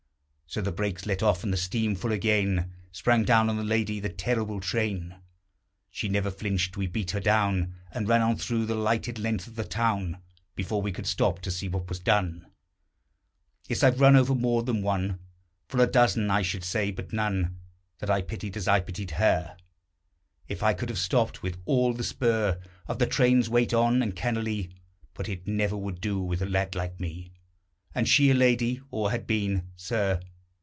So the brakes let off, and the steam full again, Sprang down on the lady the terrible train. She never flinched. We beat her down, And ran on through the lighted length of the town Before we could stop to see what was done. Yes, I've run over more than one! Full a dozen, I should say; but none That I pitied as I pitied her. If I could have stopped with all the spur Of the train's weight on, and cannily But it never would do with a lad like me And she a lady, or had been. Sir?